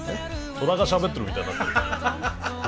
虎がしゃべってるみたいになってるけど。